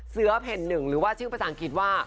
แผ่นหนึ่งหรือว่าชื่อภาษาอังกฤษว่า